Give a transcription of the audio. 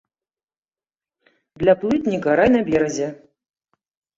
Для плытніка рай на беразе.